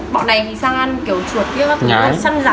bọn này thì sang ăn kiểu chuột kiểu săn rắn mà